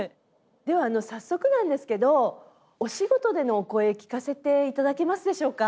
では早速なんですけどお仕事でのお声聞かせていただけますでしょうか？